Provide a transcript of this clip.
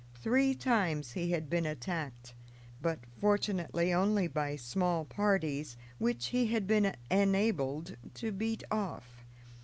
Three times he had been attacked, but, fortunately, only by small parties, which he had been enabled to beat off.